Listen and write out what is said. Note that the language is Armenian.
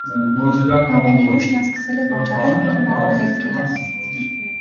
Ավելի ուշ նա սկսել է վաճառել իր մատնահետքերը։